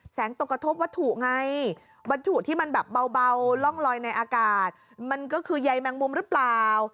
ตกกระทบวัตถุไงวัตถุที่มันแบบเบาร่องลอยในอากาศมันก็คือใยแมงมุมหรือเปล่า